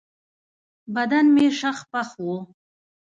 بدن مې شخ پخ و.